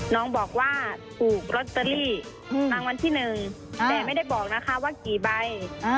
น้องบอกว่าถูกลอตเตอรี่รางวัลที่๑แต่ไม่ได้บอกนะคะว่ากี่ใบ